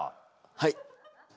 はい。